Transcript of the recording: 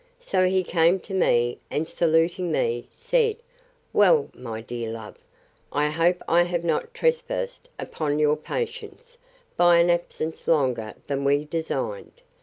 So he came to me, and, saluting me, said, Well, my dear love, I hope I have not trespassed upon your patience, by an absence longer than we designed.